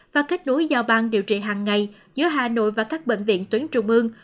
và kết nối giao bang điều trị hàng ngày giữa hà nội và các bệnh viện tuyến trung ương